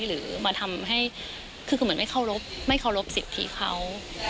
หรือมาทำให้คุณไม่เคารพสิทธิเขา